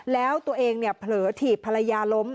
แล้วตัวเองเนี่ยเผลอถีบภรรยาล้ม